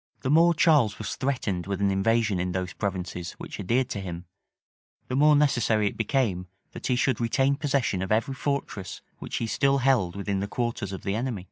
} The more Charles was threatened with an invasion in those provinces which adhered to him, the more necessary it became that he should retain possession of every fortress which he still held within the quarters of the enemy.